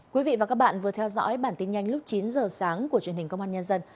quý vị và các bạn vừa theo dõi bản tin nhanh lúc chín giờ sáng của truyền hình công an nhân dân